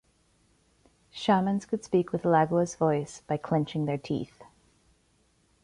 Shamans could speak with Lagua's voice by clenching their teeth.